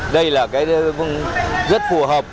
đây là cái rất phù hợp